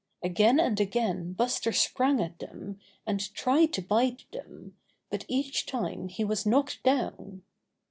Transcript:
Again and again Buster sprang at them, and tried to bite them, but each time he was knocked down.